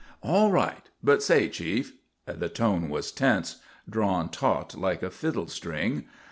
"All right; but say, chief " The tone was tense, drawn taut like a fiddle string.